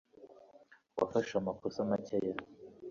Wafashe amakosa make ye